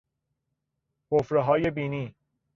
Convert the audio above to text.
حفرههای بینی